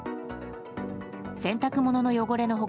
洗濯物の汚れの他